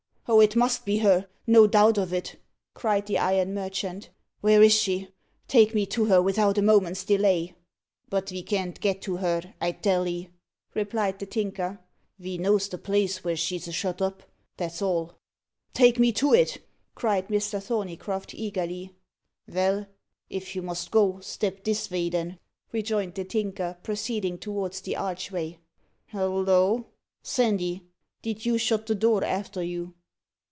"Oh! it must be her no doubt of it," cried the iron merchant. "Where is she? Take me to her without a moment's delay." "But ve can't get to her, I tell 'ee," replied the Tinker. "Ve knows the place vere she's a shut up, that's all." "Take me to it," cried Mr. Thorneycroft eagerly. "Vell, if you must go, step this vay, then," rejoined the Tinker, proceeding towards the archway. "Halloa, Sandy, did you shut the door arter you?"